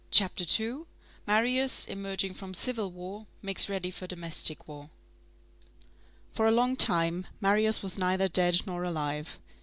CHAPTER II—MARIUS, EMERGING FROM CIVIL WAR, MAKES READY FOR DOMESTIC WAR For a long time, Marius was neither dead nor alive.